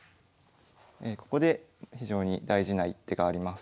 ここで非常に大事な一手があります。